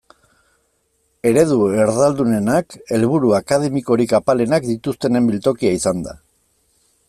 Eredu erdaldunenak helburu akademikorik apalenak dituztenen biltokia izan da.